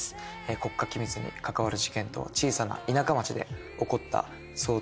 国家機密に関わる事件と小さな田舎町で起こった騒動。